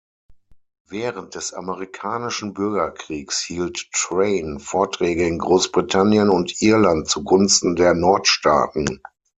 Während des Amerikanischen Bürgerkriegs hielt Train Vorträge in Großbritannien und Irland zugunsten der Nordstaaten.